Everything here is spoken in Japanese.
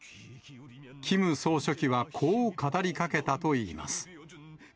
キム総書記はこう語りかけたといいます。